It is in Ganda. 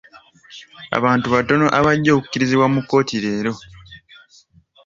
Abantu batono abajja okukkirizibwa mu kkooti leero.